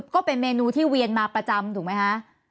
ก็เป็นเมนูที่เวียนมาประจำถูกไหมคะ